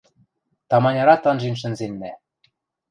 Таманярат анжен шӹнзӹнедӓ.